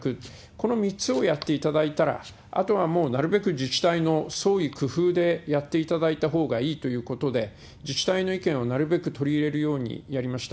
この３つをやっていただいたら、あとはもうなるべく自治体の創意工夫でやっていただいたほうがいいということで、自治体の意見をなるべく取り入れるようにやりました。